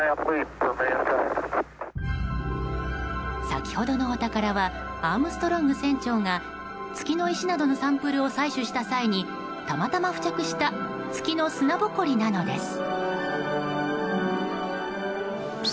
先ほどのお宝はアームストロング船長が月の石などのサンプルを採取した際にたまたま付着した月の砂ぼこりなのです。